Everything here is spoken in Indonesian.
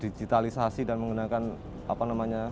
digitalisasi dan menggunakan apa namanya